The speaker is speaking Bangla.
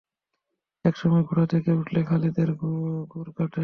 এক সময় ঘোড়া ডেকে উঠলে খালিদ-এর ঘোরকাটে।